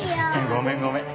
・ごめんごめん。